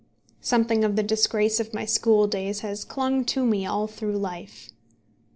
Something of the disgrace of my school days has clung to me all through life.